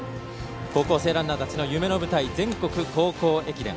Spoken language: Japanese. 高校生ランナーたちの夢の舞台全国高校駅伝。